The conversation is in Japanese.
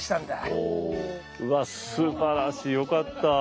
うわすばらしいよかった。